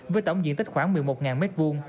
với tổng diện tích khoảng một mươi một m hai